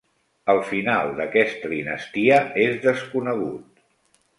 El final d'aquesta dinastia és desconegut.